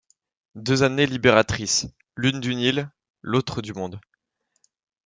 Deux années libératrices ; l’une d’une île, l’autre du monde.